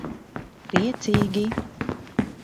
Priecīgi.